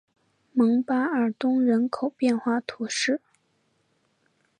蒙巴尔东人口变化图示